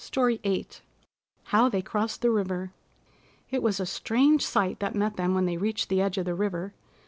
STORY VIII HOW THEY CROSSED THE RIVER It was a strange sight that met them when they reached the edge of the river.